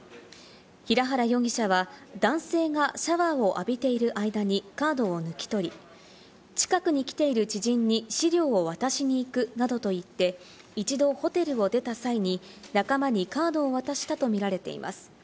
平原容疑者は男性がシャワーを浴びている間にカードを抜き取り、近くに来ている知人に資料を渡しに行くなどと言って、一度ホテルを出た際に仲間にカードを渡したとみられています。